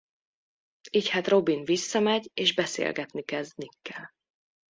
Így hát Robin visszamegy és beszélgetni kezd Nickkel.